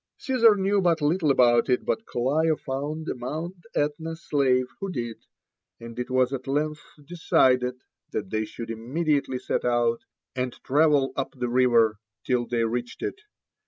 Caesar knew but little about it, but Clio found a Mount Etna slave who did ; and it was at length decided that they should immediately set out, and travel up the river till they reached it.